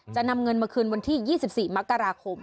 จะนำเงินมาคืนวันที่๒๔มกราคม